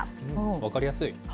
分かりやすい。